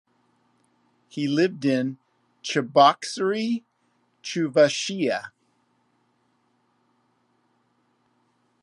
He lived in Cheboksary, Chuvashia.